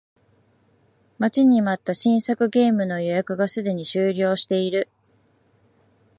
待ちに待った新作ゲームの予約がすでに終了している